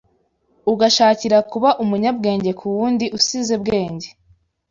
Ugashakira kuba umunyabwenge ku wundi usize Bwenge